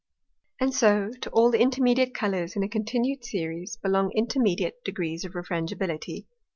And so to all the intermediate Colours in a continued Series belong intermediate degrees of Refrangibility.